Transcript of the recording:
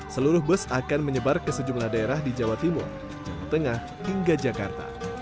seluruh bus akan menyebar ke sejumlah daerah di jawa timur jawa tengah hingga jakarta